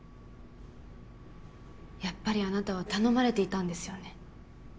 やっぱりあなたは頼まれていたんですよね？